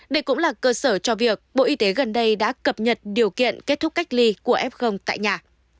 đây cũng là cơ sở cho việc bộ y tế gần đây đã cập nhật điều kiện kết thúc cách ly của f tại nhà